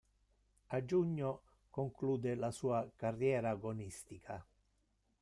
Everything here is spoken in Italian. A giugno conclude la sua carriera agonistica.